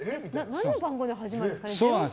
何の番号で始まるんですか？